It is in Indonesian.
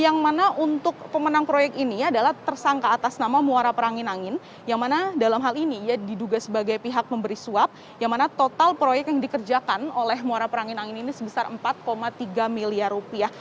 yang mana untuk pemenang proyek ini adalah tersangka atas nama muara perangin angin yang mana dalam hal ini ia diduga sebagai pihak memberi suap yang mana total proyek yang dikerjakan oleh muara perangin angin ini sebesar empat tiga miliar rupiah